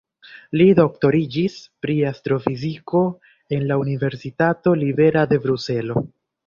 Li doktoriĝis pri astrofiziko en la Universitato Libera de Bruselo.